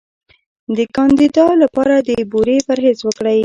د کاندیدا لپاره د بورې پرهیز وکړئ